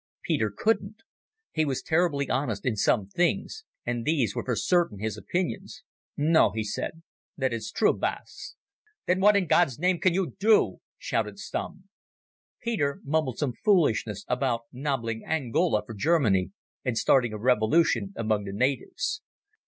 Peter couldn't. He was terribly honest in some things, and these were for certain his opinions. "No," he said, "that is true, Baas." "Then what in God's name can you do?" shouted Stumm. Peter mumbled some foolishness about nobbling Angola for Germany and starting a revolution among the natives.